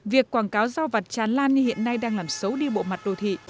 việc quảng cáo giao vặt tràn lan như hiện nay đang làm xấu đi bộ mặt đô thị